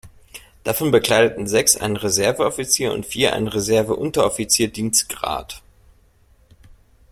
Davon bekleideten sechs einen Reserveoffizier- und vier einen Reserveunteroffizier-Dienstgrad.